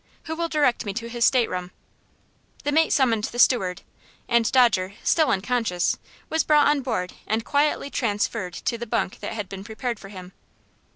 Who will direct me to his stateroom?" The mate summoned the steward, and Dodger, still unconscious, was brought on board and quietly transferred to the bunk that had been prepared for him.